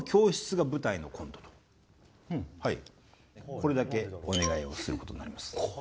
これだけお願いをすることになります。